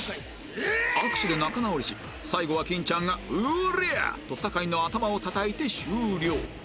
握手で仲直りし最後は金ちゃんが「うぉりゃっ！」と坂井の頭をたたいて終了